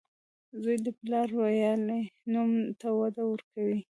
• زوی د پلار ویاړلی نوم ته وده ورکوي.